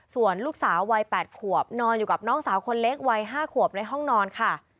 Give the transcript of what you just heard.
ส่วนลูกสาววัย๘ขวบนอนอยู่กับน้องสาวคนเล็กวัย๕ขวบในห้องนอนค่ะ